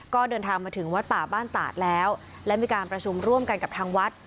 ก็เดินทางมาถึงวัดป่าบ้านตาดแล้วและมีการประชุมร่วมกันกับทางวัด